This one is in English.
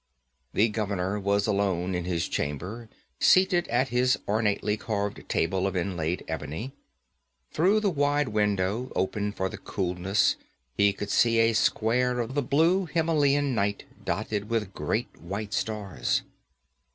The governor was alone in his chamber, seated at his ornately carven table of inlaid ebony. Through the wide window, open for the coolness, he could see a square of the blue Himelian night, dotted with great white stars.